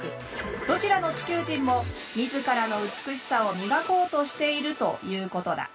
どちらの地球人も自らの美しさを磨こうとしているということだ。